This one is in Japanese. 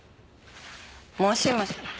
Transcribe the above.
もしもし。